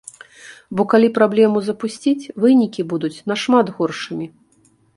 Бо калі праблему запусціць, вынікі будуць нашмат горшымі.